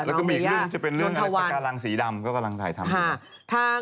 แล้วก็มีอีกเรื่องจะเป็นเรื่องอะไรปากการังสีดำก็กำลังถ่ายทำอยู่